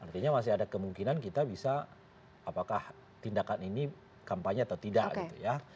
artinya masih ada kemungkinan kita bisa apakah tindakan ini kampanye atau tidak gitu ya